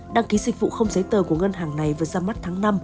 đăng ký dịch vụ không giấy tờ của ngân hàng này vừa ra mắt tháng năm